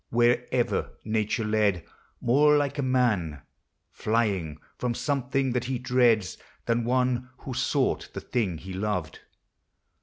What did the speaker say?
Wherever nature led: more like a man Flying from something that he dreads, than one Who sought the thing he loved.